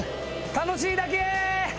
楽しいだけ。